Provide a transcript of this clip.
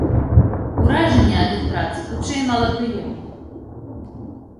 Уражанні ад іх працы, хутчэй, малапрыемныя.